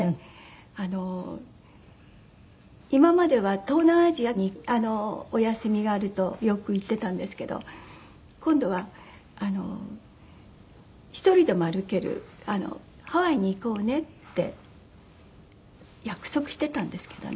あの今までは東南アジアにお休みがあるとよく行ってたんですけど今度はあの「１人でも歩けるハワイに行こうね」って約束してたんですけどね。